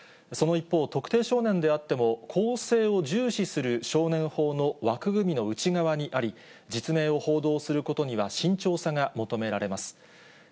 その一方、特定少年であっても、更生を重視する少年法の枠組みの内側にあり、実名を報道することには、慎重さが求められます。